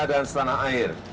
dan setanah air